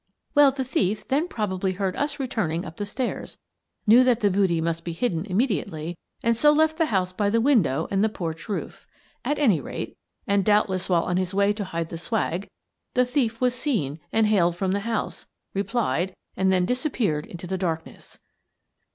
Well, the thief then probably heard us returning up the stairs, knew that the booty must be hidden immediately, and so left the house by the window and the porch roof. At any rate, and doubtless while on his way to hide the swag, the thief was seen and hailed from the house, replied, and then disappeared into the darkness.